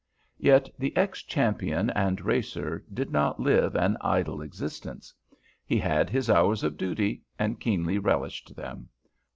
Yet the ex champion and racer did not live an idle existence. He had his hours of duty, and keenly relished them.